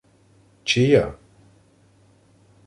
— Чия?